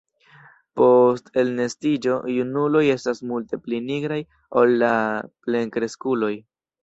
Post elnestiĝo junuloj estas multe pli nigraj ol la plenkreskuloj.